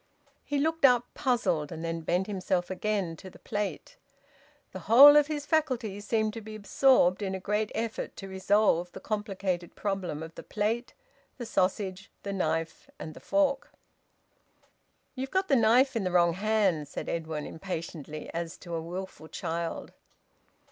He looked up, puzzled, and then bent himself again to the plate. The whole of his faculties seemed to be absorbed in a great effort to resolve the complicated problem of the plate, the sausage, the knife and the fork. "You've got your knife in the wrong hand," said Edwin impatiently, as to a wilful child.